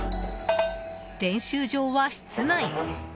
練習場は室内。